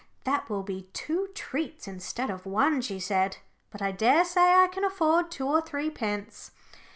"That will be two treats instead of one," she said, "but I daresay I can afford two or three pence."